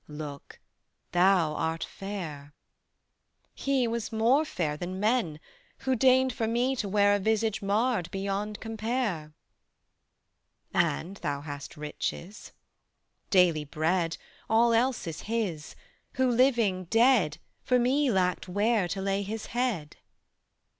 "Look, thou art fair." "He was more fair Than men, Who deigned for me to wear A visage marred beyond compare." "And thou hast riches." "Daily bread: All else is His; Who living, dead, For me lacked where to lay His Head."